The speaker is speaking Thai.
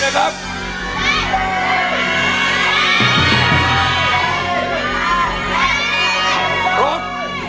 ได้